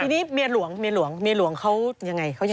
ทีนี้เมียหลวงเมียหลวงเขายังไง